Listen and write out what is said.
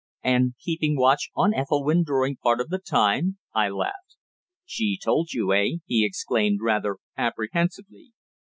"And keeping watch on Ethelwynn during part of the time," I laughed. "She told you, eh?" he exclaimed, rather apprehensively.